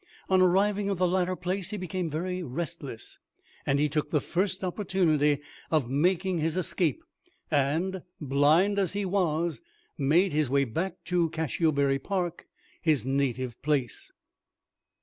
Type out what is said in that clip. On arriving at the latter place he became very restless, and took the first opportunity of making his escape, and, blind as he was, made his way back to Cashiobury Park, his native place.